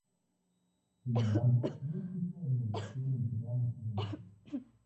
Sin embargo, no existe relación entre ambos eventos.